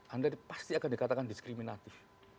anda pasti akan dikatakan diskriminatif